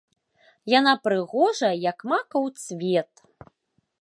Яна прыгожая, як макаў цвет.